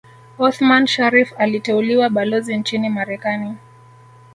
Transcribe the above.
Othman Sharrif aliteuliwa Balozi nchini Marekani